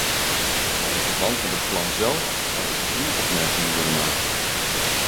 Maar in verband met het plan zelf zou ik drie opmerkingen willen maken.